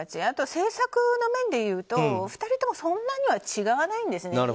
あと、政策の面でいうと２人ともそんなには違わないんですね。